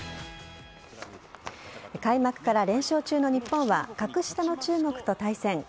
開幕から連勝中の日本は格下の中国と対戦。